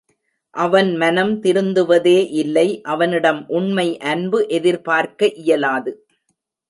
அவன் மனம் திருந்துவதே இல்லை அவனிடம் உண்மை அன்பு எதிர் பார்க்க இயலாது.